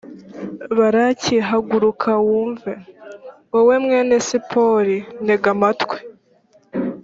balaki, haguruka wumve! wowe, mwene sipori, ntega amatwi.